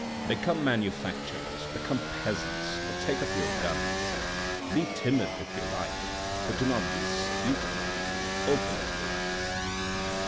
Become manufacturers, become peasants, or take up your guns. Be timid if you like, but do not be stupid. Open your eyes.